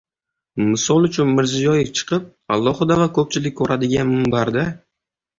Misol uchun Mirziyoyev chiqib, alohida va ko‘pchilik ko‘radigan minbarda